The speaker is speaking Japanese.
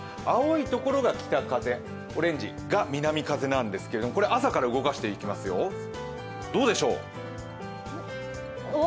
青い所が北風、オレンジが南風なんですけれども朝から動かしていきますよ、どうでしょう。